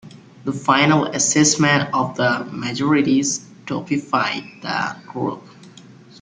The final assessment of the majority stupefied the group.